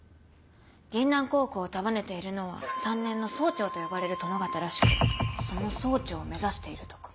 銀杏高校を束ねているのは３年の総長と呼ばれる殿方らしくその総長を目指しているとか。